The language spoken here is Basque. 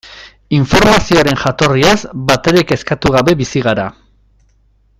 Informazioaren jatorriaz batere kezkatu gabe bizi gara.